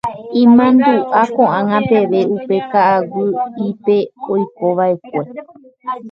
Imandu'a ko'ág̃a peve upe ka'aguy'ípe oikova'ekue.